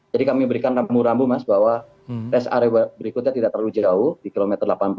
jadi kami memberikan rambu rambu mas bahwa rest area berikutnya tidak terlalu jauh di km delapan puluh enam